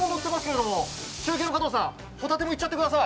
中継の加藤さん、ホタテもいっちゃってください！